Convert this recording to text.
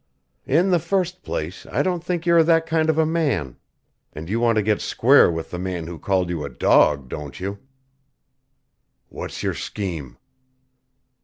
"In the first place, I don't think you are that kind of a man. And you want to get square with the man who called you a dog, don't you?" "What's your scheme?"